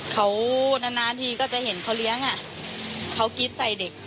เขานานนานทีก็จะเห็นเขาเลี้ยงเขากรี๊ดใส่เด็ก